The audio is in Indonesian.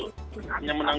hanya menang dua empat lima